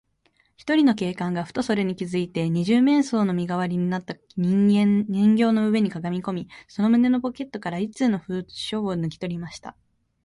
ひとりの警官が、ふとそれに気づいて、二十面相の身がわりになった人形の上にかがみこみ、その胸のポケットから一通の封書をぬきとりました。